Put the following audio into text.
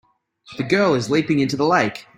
The girl is leaping into the lake.